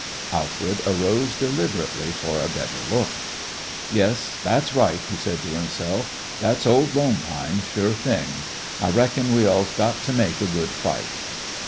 Alfred arose deliberately for a better look. "Yes, that's right," he said to himself, "that's old Lone Pine, sure thing. I reckon we all's got to make a good fight!"